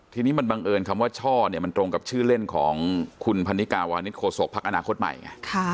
ทีนี้มันบังเอิญคำว่าช่อเนี่ยมันตรงกับชื่อเล่นของคุณพันนิกาวานิสโคศกพักอนาคตใหม่ไง